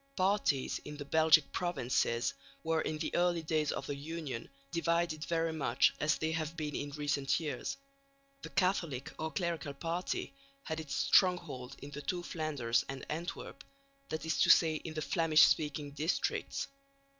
Parties in the Belgic provinces were in the early days of the Union divided very much as they have been in recent years. The Catholic or Clerical party had its stronghold in the two Flanders and Antwerp, i.e. in the Flemish speaking districts.